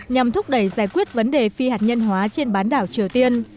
nhằm thúc đẩy giải quyết vấn đề phi hạt nhân hóa trên bán đảo triều tiên